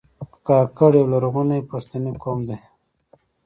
کاکړ یو لرغونی پښتنی قوم دی.